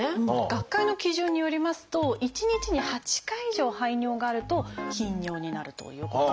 学会の基準によりますと１日に８回以上排尿があると「頻尿」になるということなんです。